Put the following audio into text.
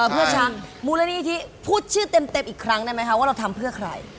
เพื่อช้างมูลนิธิพูดชื่อเต็มอีกครั้งได้ไหมคะว่าเราทำเพื่อใคร